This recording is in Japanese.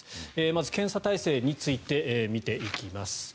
まず、検査体制について見ていきます。